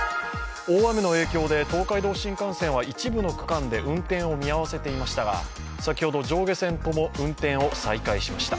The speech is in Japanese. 大雨の影響で、東海道新幹線は一部の区間で運転を見合わせていましたが先ほど上下線とも運転を再開しました。